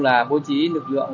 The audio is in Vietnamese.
cảnh sát giao thông